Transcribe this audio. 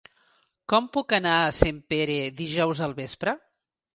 Com puc anar a Sempere dijous al vespre?